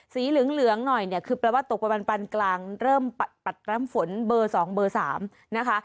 สีเหลืองหน่อยเนี่ยคือแปลว่าตกประมาณปันกลางเริ่มปัดน้ำฝนเบอร์๒เบอร์๓นะคะ